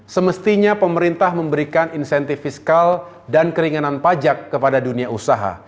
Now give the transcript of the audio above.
semestinya pemerintah memberikan insentif fiskal dan keringanan pajak kepada dunia usaha